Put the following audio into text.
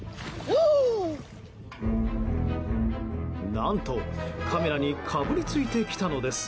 何と、カメラにかぶりついてきたのです。